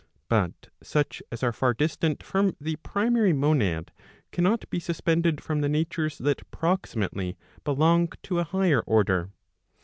But such as are far distant fronai the primary monad, cannot be suspended from the natures that proximately belong to a higher order.